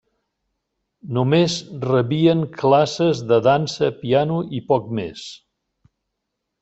Només rebien classes de dansa, piano i poc més.